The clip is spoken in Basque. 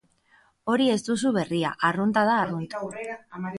Hori ez duzu berria, arrunta da arrunt.